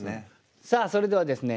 さあそれではですね